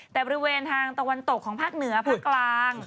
แต่บริเวณทางตะวันตกของภาคเหนือภาคกลาง